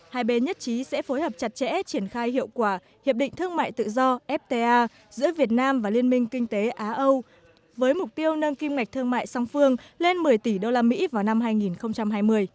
hai bên nhất trí sẽ phối hợp chặt chẽ triển khai hiệu quả hiệp định thương mại tự do fta giữa việt nam và liên minh kinh tế á âu với mục tiêu nâng kim ngạch thương mại song phương lên một mươi tỷ usd vào năm hai nghìn hai mươi